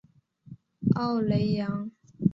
奥雷扬。